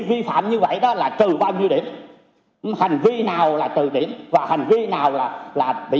vi phạm như vậy đó là trừ bao nhiêu điểm hành vi nào là trừ điểm và hành vi nào là bị